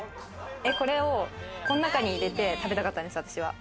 これをこの中に入れて食べたかったんです、私は。